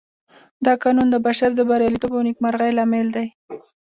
دا قانون د بشر د برياليتوب او نېکمرغۍ لامل دی.